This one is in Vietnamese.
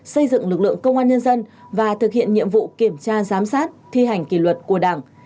xây dựng lực lượng công an nhân dân và thực hiện nhiệm vụ kiểm tra giám sát thi hành kỷ luật của đảng